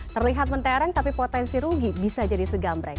terlihat mentereng tapi potensi rugi bisa jadi segambreng